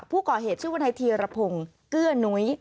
ผู้ก่อเหตุชื่อวนายธีรพงศ์เกื้อนุ้ย